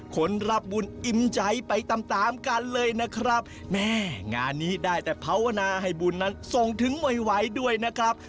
คนรับบุญอิ่มใจไปตามตามกันเลยนะครับแม่งานนี้ได้แต่ภาวนาให้บุญนั้นส่งถึงไวด้วยนะครับ